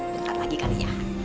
bentar lagi kali ya